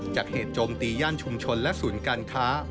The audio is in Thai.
เหตุโจมตีย่านชุมชนและศูนย์การค้า